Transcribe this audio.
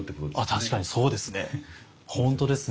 確かにそうですね。